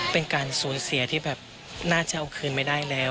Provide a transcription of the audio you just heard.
เป็นการสูญเสียที่แบบน่าจะเอาคืนไม่ได้แล้ว